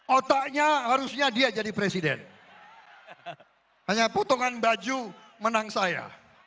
otaknya harusnya dia jadi presiden hanya potongan baju menang saya